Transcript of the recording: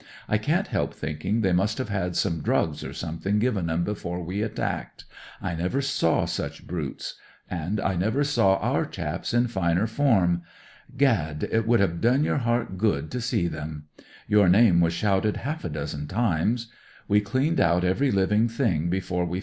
I can't help thinking they must have had some drugs or something given 'em before we attacked — I never saw such brutes. And I never saw our chaps in finer form. Gad ! it would have done your heart good to see them. Your name was shouted half a dozen times. We cleaned out every living thing before we l2 152 NEWS FOR HOME O.C.